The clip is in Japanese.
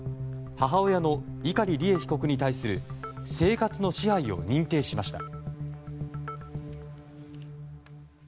母親の碇利恵被告に対する生活の支配を認定しました。